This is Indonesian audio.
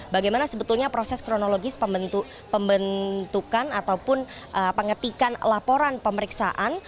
bagaimana sebetulnya proses kronologis pembentukan ataupun pengetikan laporan pemeriksaan